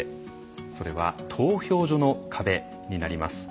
それは投票所の壁になります。